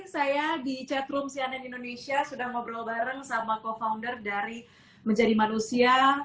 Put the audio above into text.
saya di chatroom cnn indonesia sudah ngobrol bareng sama co founder dari menjadi manusia